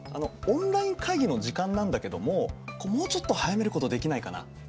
オンライン会議の時間なんだけどももうちょっと早めることできないかな？